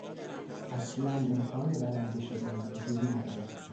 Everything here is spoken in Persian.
اصلا امکان برنده شدن وجود ندارد.